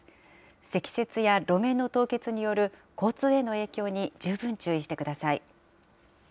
積雪や路面の凍結による交通への影響に十分注意してください。